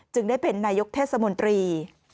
ได้เป็นนายกเทศมนตรี